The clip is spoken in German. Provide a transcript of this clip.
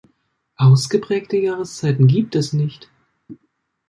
Ausgeprägte Jahreszeiten gibt es nicht.